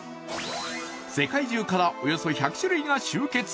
世界中からおよそ１００種類が集結。